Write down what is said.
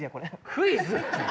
クイズ？